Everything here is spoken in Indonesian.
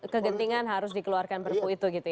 kegentingan harus dikeluarkan perpu itu gitu ya